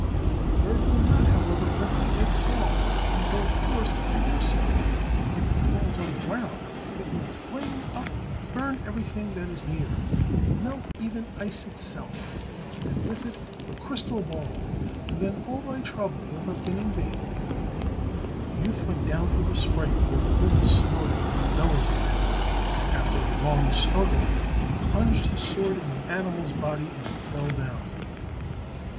The bird will not, however, let the egg fall until forced to do so, and if it falls on the ground, it will flame up and burn everything that is near, and melt even ice itself, and with it the crystal ball, and then all thy trouble will have been in vain." The youth went down to the spring, where the bull snorted and bellowed at him. After a long struggle he plunged his sword in the animal's body, and it fell down.